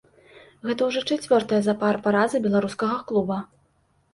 Гэта ўжо чацвёртая запар параза беларускага клуба.